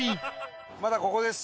まだここです。